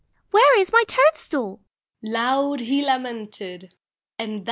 153 " Where is my toadstool ?" Loud he lamented. — And that